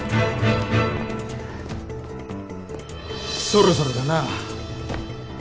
そろそろだな。